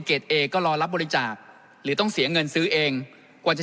เอก็รอรับบริจาคหรือต้องเสียเงินซื้อเองกว่าจะ